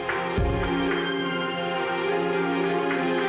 apa yang kamu mau melakukan dengan itu